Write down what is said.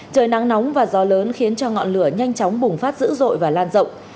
trời nắng nóng và gió lớn khiến cho ngọn lửa nhanh chóng bùng phát dữ dội và lan rộng